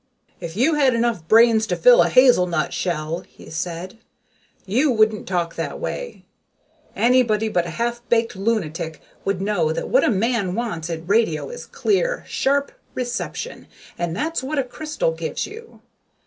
"If you had enough brains to fill a hazelnut shell," he said, "you wouldn't talk that way. Anybody but a half baked lunatic would know that what a man wants in radio is clear, sharp reception and that's what a crystal gives you.